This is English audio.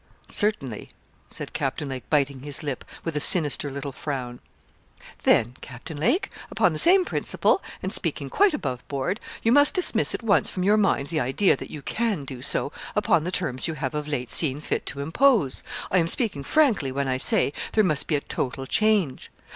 'Certainly,' said Captain Lake, biting his lip, with a sinister little frown. 'Then, Captain Lake, upon the same principle, and speaking quite above board, you must dismiss at once from your mind the idea that you can do so upon the terms you have of late seen fit to impose. I am speaking frankly when I say there must be a total change.